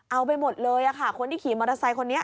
เอาไปหมดเลยค่ะคนที่ขี่มอเตอร์ไซค์คนนี้